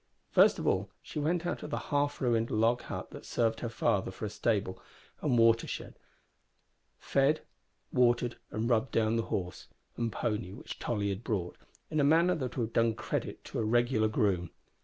First of all she went out to the half ruined log hut that served her father for a stable, and watered, fed, and rubbed down the horse and pony which Tolly had brought, in a manner that would have done credit to a regular groom.